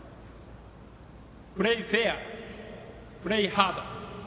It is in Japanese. プレーフェア、プレーハート